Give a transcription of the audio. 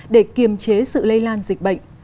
để kiềm chế sự lây lan dịch bệnh